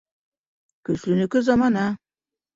Көслөнөкө замана.